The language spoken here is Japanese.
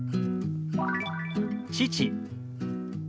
「父」。